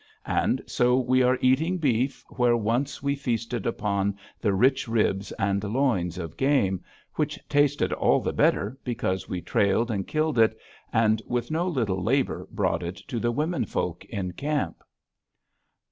And so we are eating beef where once we feasted upon the rich ribs and loins of game, which tasted all the better because we trailed and killed it, and with no little labor brought it to the womenfolk in camp.